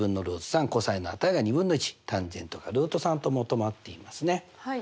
３ｃｏｓの値が２分の１ｔａｎがルート３と求まっていますね。